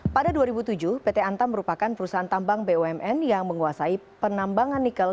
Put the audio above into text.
pada dua ribu tujuh pt antam merupakan perusahaan tambang bumn yang menguasai penambangan nikel